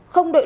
không đợi đợi